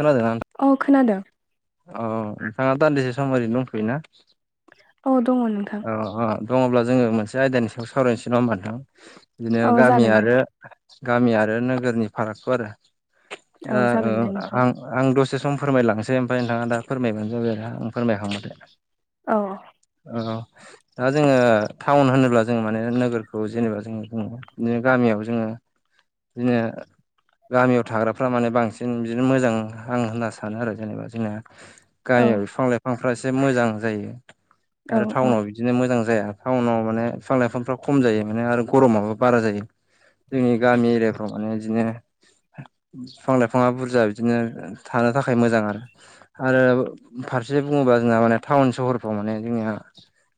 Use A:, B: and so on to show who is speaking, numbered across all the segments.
A: खोनादोंना नोंथां?
B: औ खोनादों।
A: ओं नोंथाङा दान्दिसे सम ओरै दंथयोना?
B: औ दङ नोंथां।
A: अ' अ' दङब्ला जोङो मोनसे आयदानि सायाव सावरायनोसै नङा होमबा नोंथां। बिदिनो
B: औ
A: गामि
B: जागोन दे
A: आरो गामि आरो नोगोरनि फारागफोर
B: औ
A: दा ओ
B: जागोन दे नोंथां
A: आं आं दसे सम फोरमायलांनोसै ओमफाय नोंथाङा दा फोरमायबानो जाबाय आरो आं फोरमायखांबाथाय।
B: औ
A: औ दा जोङो टाउन होनोब्ला जोङो माने नोगोरखौ जेनेबा जोङो बुङो। नो गामियाव जोङो दिनो गामियाव थाग्राफ्रा माने बांसिन दिनो मोजां आं होनना सानो आरो जेनेबा जोंना
B: औ
A: गामियाव बिफां लाइफ फांफ्रा एसे मोजां जायो।
B: औ
A: आरो
B: औ
A: टाउनाव दिनो मोजां जाया टाउनाव माने फिफां लाइफांफ्रा खम जायो। ओंखायनो आरो गरमाबो बारा जायो। जोंनि गामि एरियाफ्राव माने इदिनो फिफां लाइफाङा बुर जा बिदिनो थानो थाखाय मोजां आरो। आरो फारसे बुङोबा जोंना माने टाउन सहरफ्राव माने जोंनिया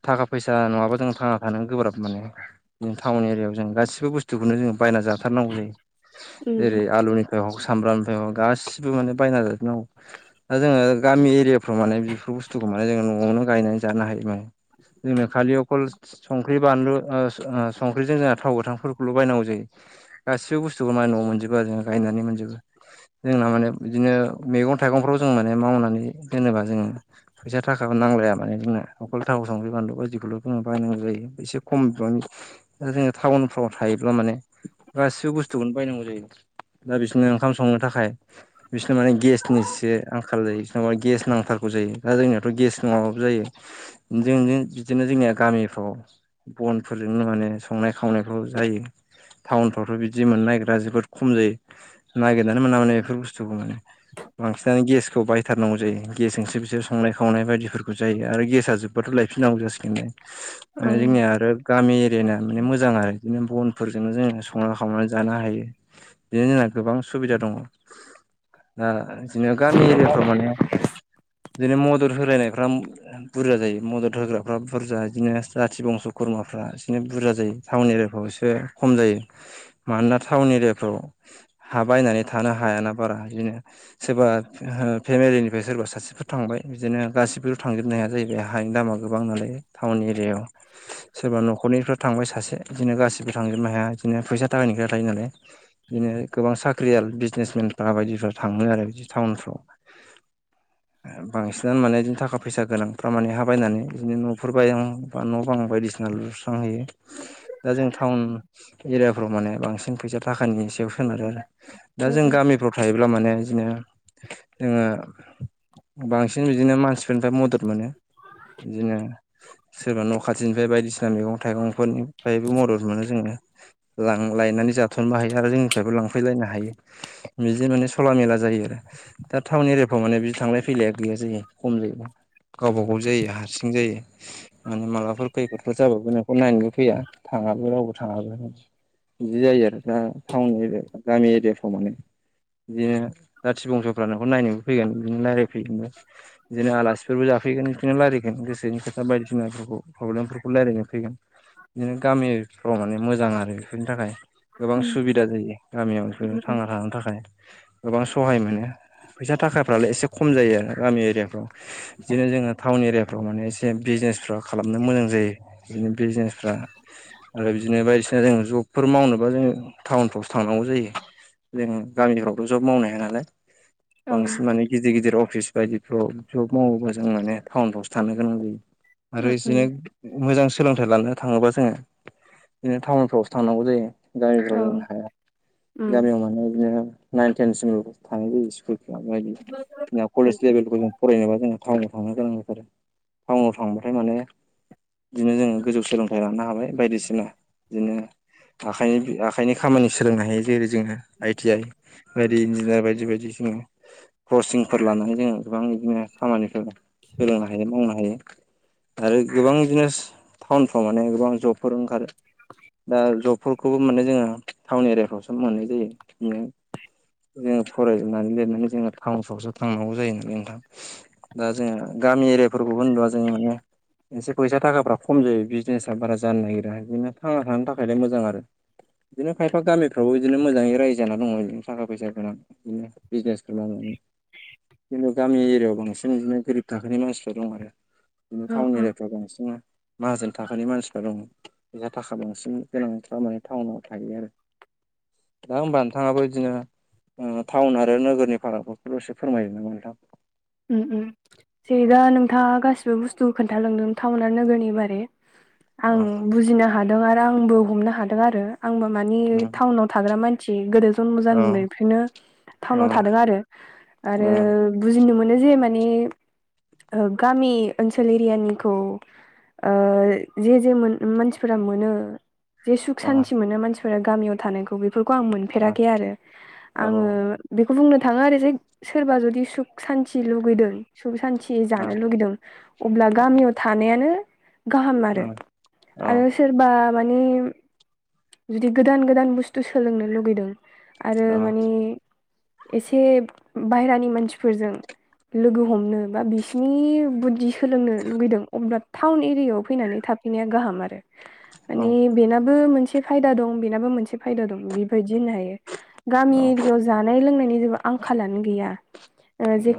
A: थाखा फैसा नङाबा जों थांना थानो गोब्राब माने टाउन एरियायाव जों गासिबो बुस थुखौनो जोङो बायना जाथारनांगौ जायो।
B: उम
A: जेरै आलुनिफ्राय हग सामब्रामनिफ्राय हग गासिबो माने बायना जाजोब नांगौ। दा जोङो गामि एरियाफ्राव माने बेफोर बुस्थुखौ माने जोङो न'आवनो गायनानै जानो हायो माने जोंनो खालि अकलस संख्रि, बानलु ओस ओस संख्रिजों जोंहा थाव गोथांफोरखौल' बायनांगौ जायो। गासिबो बुस्थुखौ मा न'आव मोनजोबो आरो जोङो गायनानै मोनजोबो। जोंना माने बिदिनो मैगं थाइगंफ्राव जों माने मावनानै दोनोबा जोङो फैसा थाखा नांलाया माने जोंना अखल थाव, संख्रि, बानलु बिखौल' जों बायनांगौ जायो। एसे खम बिबांनि दा जोङो टाउनफ्राव थायोब्ला माने गासिबो बुस्थुखौनो बायनांगौ जायो। दा बिसोरनो ओंखाम संनो थाखाय बिसोनाव माने गेसनि सो आंखाल जायो। इसोरनाव माने गेस नांथारगौ जायो दा जोंनियावथ' गेस नङाबाबो जायो। जों जों बिदिनो जोंनिया गामिफ्राव बनफोरजोंनो माने संनाय खावनायफ्राव जायो। टाउनफ्रावथ' बिदि मोननाय नागिरा जोबोद खम जायो। नागिरनानै मोना माने बेफोर बुस्थुखौ माने बांसिनानो गेसखौ बायथार नांगौ जायो। गेसजोंसो बिसोर संनाय खावनाय बायदिफोरखौ जायो। आरो गेसआ जोब बाथ' लायफिन नांगौ जासिगोनलाय।
B: औ
A: आरो जोंनिया आरो गामि एरिया ना माने मोजां आरो बिदिनो बनफोरजोंनो जोंङो संना खावनानै जानो हायो। बिनि जोंना गोबां सुबिदा दङ दा बिदिनो गामि एरियाफ्राव माने बिदिनो मदद होलायनायफ्रा बुरजा जायो मदद होग्राफ्रा बुरजा बिदिनो जाथि बंस' खुरमाफ्रा एसेनो बुरजा जायो। टाउन एरियाफ्रावसो खम जायो मानोना टाउन एरियाफ्राव हा बायनानै थानो हायाना बारा बिदिनो सोरबा फेमिलिनि ओमफ्राय सोरबा सासेफोर थांबाय बिदिनो गासिबो थांजोबनो हाया जाहैबाय हानि दामा गोबां नालाय टाउन एरियायाव सोरबा न'खरनिफ्राय्रा थांबाय सासे बिदिनो गासिबो थांजोबनो हाया बिदिनो फैसा थाखानि खोथा थायो नालाय बिदिनो गोबां साख्रियाल बिजनेसमेनफ्रा बायदिफ्रा थांङो आरो बिदि टाउनफ्राव बांसिनानो माने बिदिनो थाखा फैसा गोनांफ्रा माने हा बायनानै बिदिनो न'फोर बायां बा न' बां बायदिसिना लुस्रांहैयो दा जों टाउन एरियाफ्राव माने बांसिन फैसा थाखानि सायाव सोनारो दा
B: उम
A: जों
B: उम
A: गामिफ्राव थायोब्ला माने बिदिनो जोंङो बांसिन बिदिनो मानसिफोरनिफ्राय मदद मोनो बिदिनो सोरबा न' खाथिनिफ्राय बायदिसिना मैगं थाइगंफोरनिफ्रायबो मदद मोनो जोंङो। लांलायनानै जाथ'नो हायो आरो जोंनिफ्रायबो लांफैलायनो हायो। मिजि माने सला मेला जायो आरो दा टाउन एरियाफ्राव माने बिदि थांलाय फैलाया गैया जायो खम जायो गावबा गाव जायो हारसिं जायो। माने माबाफोर खैफोदफोर जाबाबो नोंखौ नायनोबो फैया थांङाबो रावबो थांङाबो बिदि जायो आरो दा टाउन एरिया गामि एरियाफ्राव माने बिदिनो जाथि बंस'फ्रा नोंखौ नायनोबो फैगोन बिदिनो रायलायफैगोनबो बिदिनो आलासिफोरबो जाफैगोन बिदिनो रायलायगोन गोसोनि खोथा बायदिसिनाफोरखौ प्रब्लेमफोरखौ रायज्लायनो फैगोन बिदिनो गामिफ्राव माने मोजां आरो बेफोरनि थाखाय गोबां सुबिदा जायो गामियाव बेफोरो
B: उम उम
A: थांना थानो थाखाय गोबां सहाय मोनो फैसा थाखाफ्रालाय एसे खम जायो आरो गामि एरियाफ्राव बिदिनो जोंङो टाउन एरियाफ्राव माने एसे बिजनेस फाव खालामनो मोजां जायो। बिदिनो बिजनेसफ्रा आरो बिदिनो बायदिसिना जों जबफोर मावनोबा जोंङो। टाउनफ्रावसो थांनांगौ जायो जों गामिफ्रावथ' जब मावनो हाया नालाय
B: औ
A: बांसिन
B: उम
A: माने गिदिर गिदिर अफिस बायदिफ्राव जब मावोबा जों माने टाउनफ्रावसो थानो गोनां जायो। आरो इसेनो
B: उम
A: मोजां सोलोंथाइ लानो थांङोबा जोंङो बिदिनो टाउनफ्रावसो थांनांगौ जायो
B: औ
A: गामिफ्राव जोंङो
B: उम उम
A: गामियाव माने बिदिनो नाइन टेनसिमल' थां जायो स्कुल कलेज लेभेलखौ जों फरायनोबा जोंङो टाउनाव थांनो गोनां जाथार टाउनाव थांबाथाय माने बिदिनो जोंङो गोजौ सोलोंथाइ लानो हाबाय बायदिसिना बिदिनो आखाइनि आखायनि खामानि सोलोंनो हायो जेरै जोंङो आइटि आइ बायदि इन्जिनियार बायदि बायदि जोंङो कचिंफोर लानानै जोंङो गोबां बिदिनो खामानिफोर सोलोंनो हायो मावनो हायो। आरो गोबां बिदिनो टाउनफ्राव माने गोबां जबफोर ओंखारो दा जब खौबो मने जोंङो टाउन एरियाफ्रावसो मोननाय जायो बिदिनो जोंङो फरायनानै लिरनानै जोंङो टाउन सहरावसो थांनांगौ जायो नालाय नोंथां दा जोंङो गामि एरियाफोरखौबो होनबा जोंङो माने एसे फैसा थाखाफ्रा खम जायो बिजनेसा बारा जानो नागिरा बिदिनो थांना थानो थाखायलाय मोजां आरो बिदिनो खायफा गामिफ्रावबो बिदिनो मोजाङै रायजो जाना दङ' बिदिनो थाखा फैसा गोनां बिजनेस मावनानै जेने गामि एरियाआव बांसिन बिदिनो गोरिब थाखोनि मानसिफ्रा दं आरो बिदिनो
B: अ
A: टाउन
B: अ
A: एरियाफ्राव बांसिन माहाजोन थाखनि मानसिफ्रा दं जहा थाखा बांसिन गोनांफ्रा टाउनाव थायो आरो दा होनबा नोंथांङाबो बिदिनो टाउन आरो नोगोरनि फारागफोरखौल'सो फोरमायो नामा नोंथां
B: उम उम जै दा नोंथाङा गासिबो बुस्थुखौ खोन्थालांदों टाउन आरो नोगोरनि बारै
A: अ
B: आं बुजिनो हादों आरो आंबो हमनो हादों आरो आंबो मानि टाउनाव थाग्रा मानसि गोदो जम
A: अ
B: जानाय बेनो टाउनाव थादों आरो आरो
A: अ
B: बुजिनो मोन नो जे माने गामि ओनसोल एरियानिखौ ओ जे जे मानसिफोरा मोनो जे सुख
A: अ
B: सान्ति मोनो मानसिफोरा गामियाव थानायखौ बेफोरखौ आं
A: अ
B: मोनफेराखै आरो आङो बेखौ बुंनो थाङो आरो जे सोरबा जुदि सुख सान्ति लुगैदों सुख सान्ति जानो लुुबैदों अब्ला गामियाव थानायानो गाहाम आरो सोरबा माने जुदि गोदान गोदान बुस्थु सोलोंनो लुगैदों आरो माने एसे बायेरानि मानसिफोरजों लोगो हमनो बा बिसिनि बुद्धि सोलोंनो लुगैदों अब्ला टाउन एरियायाव फैनानै थाब खिनिया गाहाम आरो माने बेनाबो मोनसे फायदा दं बेनाबो मोनसे फायदा दं बेबायदि होननो हायो गामि एरियायाव जानाय लोंनायनि जेबो आंखालानो गैया जे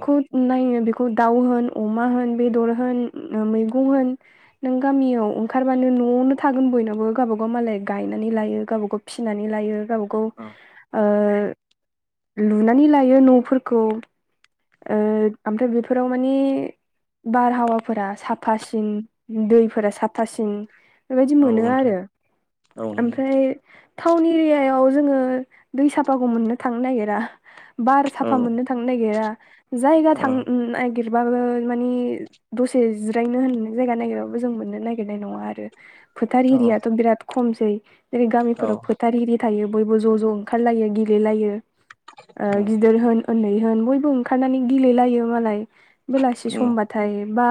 B: नायो बेखौ दाउ होन अमा होन बेदर होन मैगं होन नों गामियाव ओंखारबानो न'आवनो थागोन बयनावबो गावबागाव मालाय गायनानै लायो गावबागाव फिसिनानै लायो गाव गाव लुनानै लायो न'फोरखौ ओमफ्राय बेफोराव माने बारहावाफोरा साफासिन दैफोरा साफासिन बेबायदि मोनो आरो ओमफ्राय टाउन एरियायाव जोङो दै साफाखौ मोननो थांनो नागिरा बार साफा मोननो थांनो नागिरा जायगा थांनो नागिरबाबो मानि दसे जिरायनो होननाय जायगा नागिरबाबो जों मोननो नागिरनाय नङा आरो फोथार एरियाथ' बिराद खमसै जेरै गामिफोराव फोथार थार आरि थायो बयबो ज' ज' ओंखारलायो गेलेलायो गिदिर होन उन्दै होन बयबो ओंखारनानै गेललायो मालाय बेलासि समबा नाथाय बा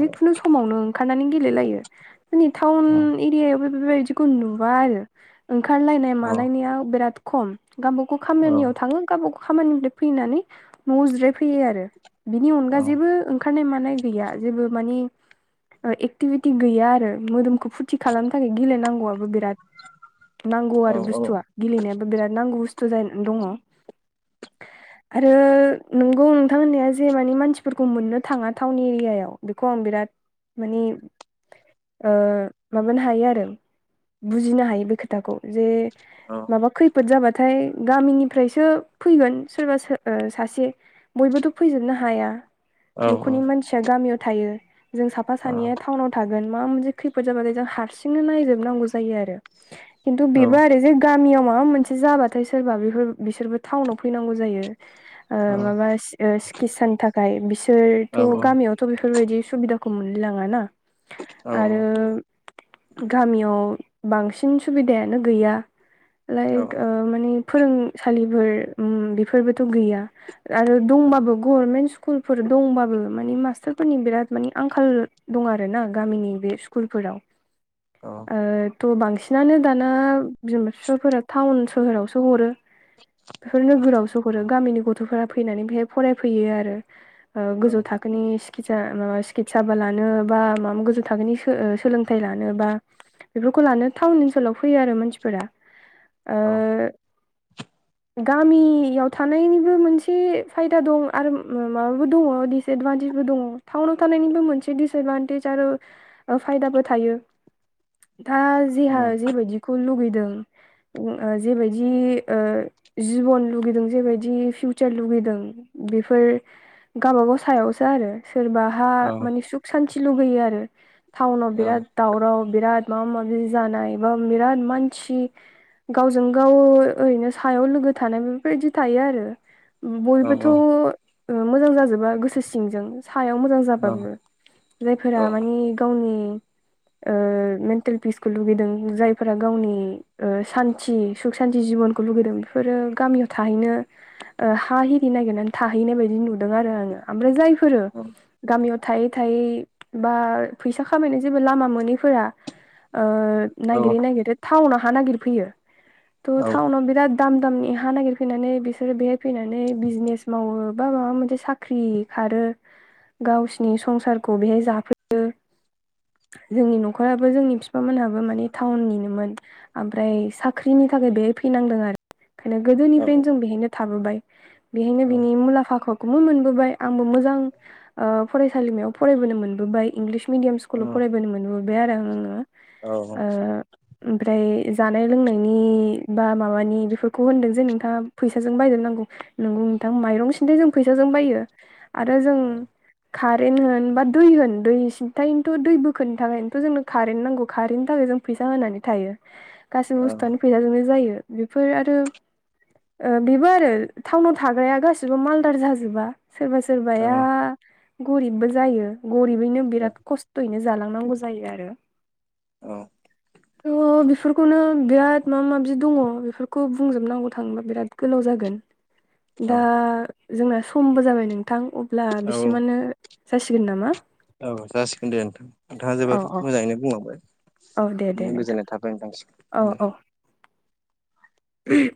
B: जेखुनु समावनो ओंखारनानै गेलेलायो जोंनि टाउन एरियाबो बेबायदिखौ नुबा आरो ओंखारलायनाय मालायनाया बिराद खम गावबागाव खामानियाव थाङो गावबागाव खामानिनिफ्राय फैनानै न'आव जिराय फैयो आरो बिनि अनगा जेबो ओंखारनाय मानाय गैया जेबो माने ओ एक्टिभिटि गैया आरो मोदोमखौ फुरथि खालामनो थाखाय गेलेनांगौआबो बिराद नांगौ आरो बुस्थुआ गेलेनायाबो बिराद नांगौ बुस्थु जाना दङ आरो नोंगौ नोंथां होननाया जे मानि मानसिफोरखौ मोननो थाङा टाउन एरियायाव बेखौ आं बिराद माने ओ माबानो हायो आरो बुजिनो हायो बे खोथाखौ जे
A: औ
B: माबा खैफोद जाबाथाय गामिनिफ्रायसो फैगोन सोरबा ओ सासे बयबोथ' फैजोबनो हाया न'खरनि मानसिया गामियाव थायो। जों साफा सानैया टाउनाव थागोन मा मोनसे खैफोद जाबाथाय जों हारसिंनो नायजोबनांगौ जायो आरो खिन्थु बेबो आरो जे गामियाव माबा मोनसे जाबाथाय सोरबा बेफोर बिसोरबो टाउनाव फैनांगौ जायो ओ ओस ओस सिकितसानि थाखाय बिसोरथ' गामियाव थ' बेफोरबायदि सुबिदाखौ मोनलाय लाङा ना आरो गामियाव बांसिन सुबिदायानो गैया लाइक ओ माने फोरोंसालिफोर उम बेफोरबोथ' गैया आरो दंबाबो गभार्मेन्ट स्कुलफोर दंबाबो। माने मास्टारफोरनि बिराद मानि आंखाल दं आरो ना गामिनि बे स्कुलफोराव
A: औ
B: ओ थ' बांसिनानो दाना बिमा-बिफाफोरा टाउन-सोहोरावसो हरो नोगोरावसो हरो गामिनि गथ'फोरा फैनानै बेहाय फरायफैयो आरो ओ गोजौ थाखोनि सि खिसा माबा सिकितसाबा लानो बा माबा गोजौ थाखोनि सो ओ सोलोंथाइ लानो बा बेफोरखौ लानो टाउन ओनसोलाव फैयो आरो मानसिफोरा ओ गामियाव थानायनिबो मोन से फायदा दं आरो उम माबाबो दङ डिसएदभानटेजबो दङ टाउनाव थानायनिबो मोनसे दिडिसएदभानटेज आरो ओ फायदाबो थायो दा जेहा जेबायदि खौ लुगैदों उ ओ जेबायदि ओ जिबन लुगैदों जेबायदि फिउ सो लुुबैदों बेफोर गावबा गाव सायावसो आरो सोरबाहा मानि सु सान्थि लुगैयो आरो टाउनाव बिराद दावराव बिराद माबा-माबि जानाय एबा बिराद मानसि गावजों गाव ओ ओरैनो सायाव लोगो थानाय बेफोरबायदि थायो आरो उम बयबोथ' ओ मोजां जाजोबा गोसो सिंजों सायाव मोजां जाबाबो जायफोरा माने गावनि ओ मेन्टेल पिसखौ लुगैदों जायफोरा गावनि ओ सान्थि ख-सान्ति जिबनखौ लुगैदों बेफोरो गामियाव थाहैनो ओ हा हिरि नागिरनानै थाहैनाय बायदि नुदों आरो आङो ओमफ्राय जायफोरो गामियाव थायै थायै बा फैसा खामायनो जेबो लामा मोनैफोरा ओ नायगिरै नायगिरै टाउनाव हा नागिरफैयो थ' टाउनाव बिराद दाम दामनि हा नागिरफैनानै बिसोरो बेहाय फैनानै बिजनेस मावो बा माबा मोनसे साख्रि खारो गावसिनि संसारखौ बेहाय जाफैयो जोंनि न'खराबो जोंनि बिफा मोनहाबो माने टाउननिनोमोन। ओमफ्राय साख्रिनि थाखाय बेहाय फैनांदों आरो ओंखायनो गोदोनिफ्रायनो जों बेहायनो थाबोबाय बेहायनो बिनि मुलाम्फाखौ खौबो मोनबोबाय आंबो मोजां ओ फरायसालिमायाव फरायबोनो मोनबोबाय इंलिस मिडियाम स्कुलाव फरायबोनो मोनबोबाय आरो आङो। ओ ओमफ्राय जानाय-लोंनायनि बा माबानि बेफोरखौ होनदों जे नोंथाङा फैसाजों बायजोबनांगौ। नोंगौ नोंथां माइरं सिन्थाय जों फैसाजों बायो आरो जों
A: ओ
B: कारेन्ट होन बा दै होन दै सिनथायनोथ' दै बोखोनो थाखायथ' जोंनो कारेन्ट नांगौ कारेनन्टनि थाखाय जों फैसा होनानै थायो।
A: [inaudible]
B: गासैबो बुस्थुआनो फैजाजोंनो जायो बेफोर आरो ओ बेबो आरो टाउनाव थाग्राया गासिबो मालदार जाजोबा सोरबा सोरबाया गरिबबो जायो गरिबैनो बिराद खस्थ'यैनो जालांनांगौ जायो आरो। थ' बेफोरखौनो बिराद माबा माबि दङ बेफोरखौ बुंजोबनांगौ थाङोबा बिराद गोलाव जागोन। दा जोंना समबो जाबाय। नोंथां अब्ला बिसिमानो जासिगोन नामा?
A: औ जासिगोन दे नोंथां। नोंथाङा
B: औ
A: जोबोद
B: औ
A: मोजाङैनो
B: औ दे दे
A: बुंलांबाय।
B: नोंथां
A: गोजोननाय थाबाय नोंथांनि सिम दे।
B: [inaudible]